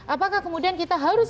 apakah kemudian kita harus